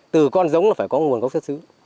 từ con giống là phải có nguồn gốc xuất xứ